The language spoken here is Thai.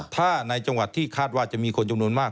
ถ้าในจังหวัดที่คาดว่าจะมีคนจำนวนมาก